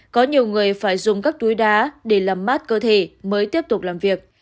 có nhiều người phải dùng các túi đá để làm mát cơ thể mới tiếp tục làm việc